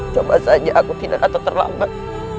coba saja aku tidak kata terlambat